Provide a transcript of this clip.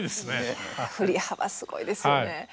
いや振り幅すごいですよね。